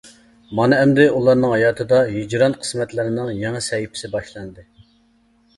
مانا ئەمدى ئۇلارنىڭ ھاياتىدا ھىجران قىسمەتلىرىنىڭ يېڭى سەھىپىسى باشلاندى.